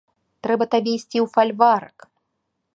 Трэба табе ісці ў фальварак!